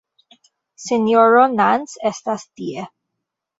Sinjoro Nans estas tie.